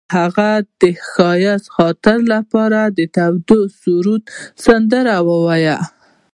هغې د ښایسته خاطرو لپاره د تاوده سرود سندره ویله.